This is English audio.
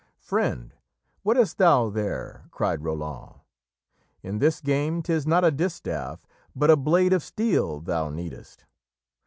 "'Friend, what hast thou there?' cried Roland. 'In this game 'tis not a distaff, But a blade of steel thou needest.